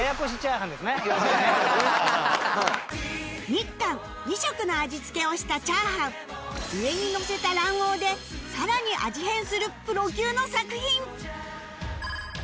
日韓２食の味付けをした炒飯上にのせた卵黄でさらに味変するプロ級の作品